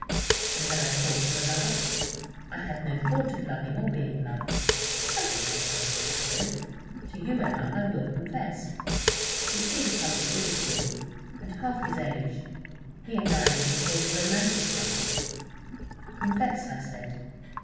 And had I thought of a lover!... I had no thought of loving or being loved. I confess I was flattered. To you, Emma, I will confess.... You see the public ridicule! and half his age, he and I would have appeared a romantic couple! Confess, I said.